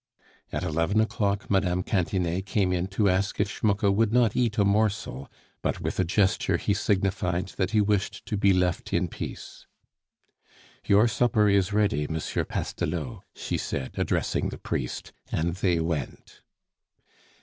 At eleven o'clock Mme. Cantinet came in to ask if Schmucke would not eat a morsel, but with a gesture he signified that he wished to be left in peace. "Your supper is ready, M. Pastelot," she said, addressing the priest, and they went.